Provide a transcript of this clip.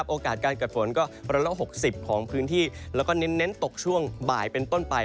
โอกาสการเกิดฝนก็๑๖๐ของพื้นที่แล้วก็เน้นตกช่วงบ่ายเป็นต้นไป